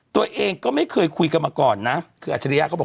ตัวเองก็ไม่เคยคุยกันมาก่อนนะคืออัจฉริยะเขาบอก